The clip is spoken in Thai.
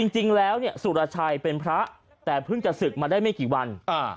จริงแล้วสุรชัยเป็นพระแต่เพิ่งจะศึกมาได้ไม่กี่วัน